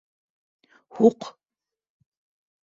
- Һуҡ!